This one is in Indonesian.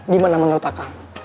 gimana menurut pak